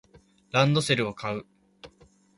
ランドセルを買う